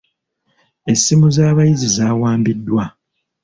Essimu z'abayizi zaawambiddwa.